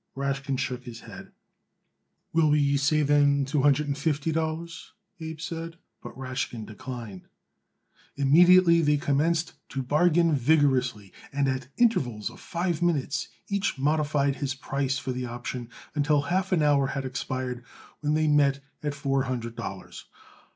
Rashkin shook his head. "We will say then two hundred and fifty dollars," Abe said; but Rashkin declined. Immediately they commenced to bargain vigorously, and at intervals of five minutes each modified his price for the option, until half an hour had expired, when they met at four hundred dollars.